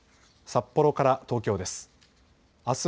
札幌から東京です。